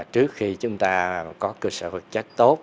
trước khi chúng ta có cơ sở vật chất tốt